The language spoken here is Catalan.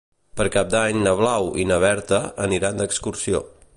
Per Cap d'Any na Blau i na Berta aniran d'excursió.